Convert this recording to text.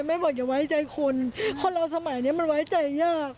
บอกอย่าไว้ใจคนคนเราสมัยนี้มันไว้ใจยาก